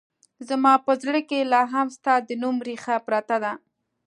زما په زړه کې لا هم ستا د نوم رېښه پرته ده